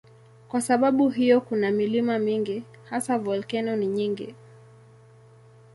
Kwa sababu hiyo kuna milima mingi, hasa volkeno ni nyingi.